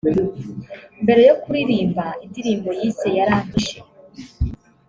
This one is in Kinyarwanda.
mbere yo kuririmba indirimbo yise yarampishe